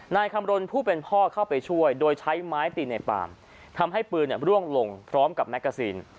นายคำรณผู้เป็นพ่อเข้าไปช่วยโดยใช้ไม้ตีในปาล์มทำให้ปืนร่วงลงพร้อมกับแมกกาซีน